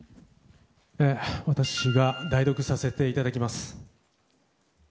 私が代読させていただきます。